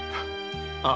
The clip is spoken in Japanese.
ああ。